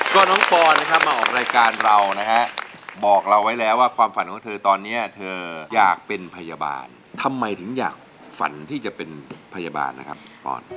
ก็น้องปอนนะครับมาออกรายการเรานะฮะบอกเราไว้แล้วว่าความฝันของเธอตอนนี้เธออยากเป็นพยาบาลทำไมถึงอยากฝันที่จะเป็นพยาบาลนะครับปอน